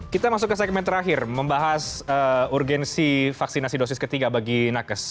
kita masuk ke segmen terakhir membahas urgensi vaksinasi dosis ketiga bagi nakes